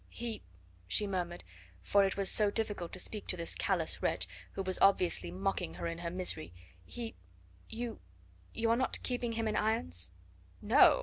"He " she murmured, for it was so difficult to speak to this callous wretch, who was obviously mocking her in her misery "he you you are not keeping him in irons?" "No!